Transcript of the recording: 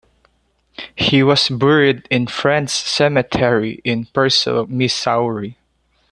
He was buried in Friends Cemetery in Purcell, Missouri.